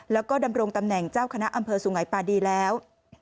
แล้วก็ดำรงตำแหน่งเจ้าคณะอำเภอสุงัยปาดีแล้ว